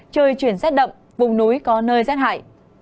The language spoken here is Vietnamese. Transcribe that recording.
trời chuyển rét đậm vùng núi có nơi rét hại